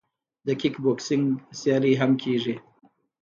د کیک بوکسینګ سیالۍ هم کیږي.